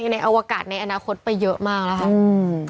ในอวกาศในอนาคตไปเยอะมาก